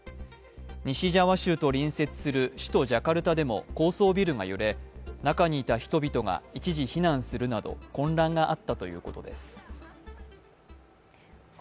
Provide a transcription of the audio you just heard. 西ジャワ州と隣接する首都ジャカルタでも高層ビルが揺れ中にいた人々が一時避難するなど混乱があったということです。